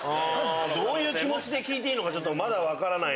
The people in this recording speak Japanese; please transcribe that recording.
どういう気持ちで聞いていいのかまだ分からない。